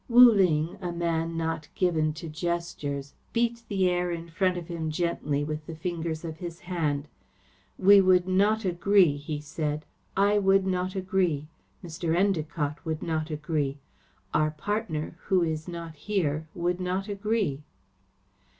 Wu Ling, a man not given to gestures, beat the air in front of him gently with the fingers of his hands. "We would not agree," he said. "I would not agree. Mr. Endacott would not agree. Our partner, who is not here, would not agree."